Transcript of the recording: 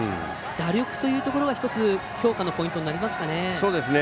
打力というところは１つ強化のポイントになりますかね。